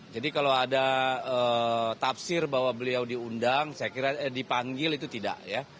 jadi kalau ada tafsir bahwa beliau diundang saya kira dipanggil itu tidak ya